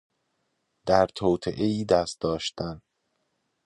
در توطئهای دست داشتن